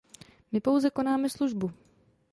My pouze konáme službu.